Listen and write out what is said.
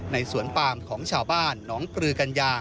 สวนปามของชาวบ้านหนองปลือกัญญา